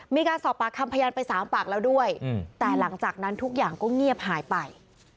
มีการสอบปากคำพยานไป๓ปากแล้วด้วยแต่หลังจากนั้นทุกอย่างก็เงียบหายไป